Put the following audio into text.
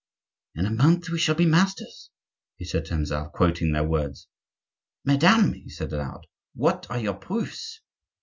"'In a month we shall be masters,'" he added to himself, quoting their words. "Madame," he said aloud, "what are your proofs?"